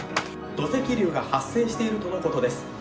「土石流が発生しているとのことです」。